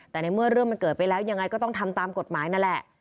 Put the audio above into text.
แต่ในเมื่อเรื่องมันเกิดไปแล้วยังไงก็ต้องทำตามกฎหมายนั่นแหละ